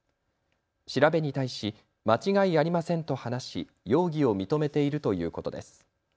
調べに対し、間違いありませんと話し、容疑を認めているということです。